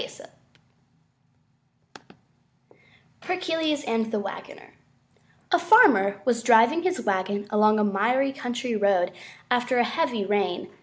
_ HERCULES AND THE WAGONER A Farmer was driving his wagon along a miry country road after a heavy rain.